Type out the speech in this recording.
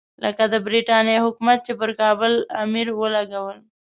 لکه د برټانیې حکومت چې پر کابل امیر ولګول.